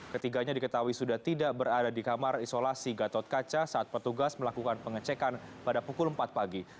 ketiganya diketahui sudah tidak berada di kamar isolasi gatot kaca saat petugas melakukan pengecekan pada pukul empat pagi